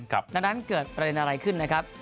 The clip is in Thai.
ดังนั้นเกิดประเด็นอะไรขึ้นนะครับ